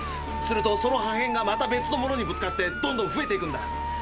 するとその破へんがまた別の物にぶつかってどんどん増えていくんだ。